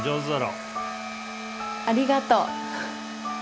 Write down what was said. ありがとう。